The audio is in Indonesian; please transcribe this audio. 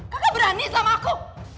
kakak berani sama aku